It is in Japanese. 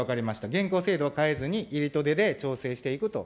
現行制度を変えずに、入りと出で調整していくと。